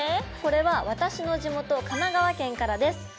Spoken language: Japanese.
これは私の地元神奈川県からです！